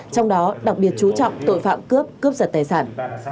trong đó đặc biệt chú trọng tội phạm cướp cướp giật tài sản